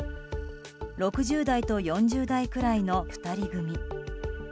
６０代と４０代くらいの２人組。